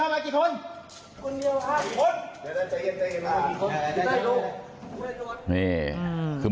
มากินครับ